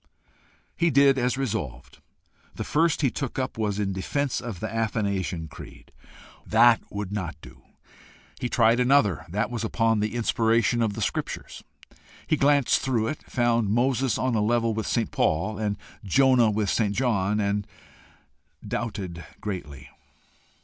He did as resolved. The first he took up was in defence of the Athanasian creed! That would not do. He tried another. That was upon the Inspiration of the Scriptures. He glanced through it found Moses on a level with St. Paul, and Jonah with St. John, and doubted greatly.